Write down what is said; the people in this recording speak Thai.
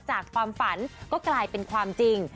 ความฝันก็กลายเป็นความจริง